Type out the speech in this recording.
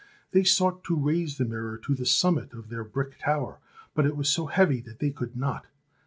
They sought to raise the mir ror to the summit of their brick tower, but it was so heavy that they could not.